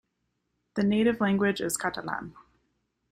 The native language is Catalan.